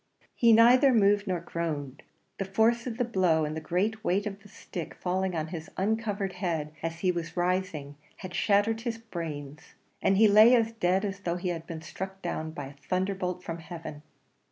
He neither moved nor groaned; the force of the blow, and the great weight of the stick falling on his uncovered head as he was rising, had shattered his brains, and he lay as dead as though he had been struck down by a thunder bolt from heaven.